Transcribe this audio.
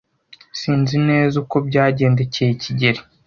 Sinzi neza uko byagendekeye kigeli.